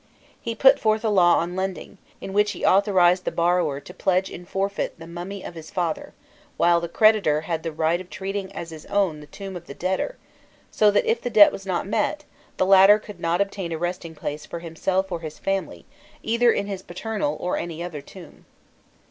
He put forth a law on lending, in which he authorized the borrower to pledge in forfeit the mummy of his father, while the creditor had the right of treating as his own the tomb of the debtor: so that if the debt was not met, the latter could not obtain a last resting place for himself or his family either in his paternal or any other tomb.